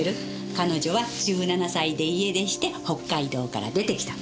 彼女は１７歳で家出して北海道から出てきたの。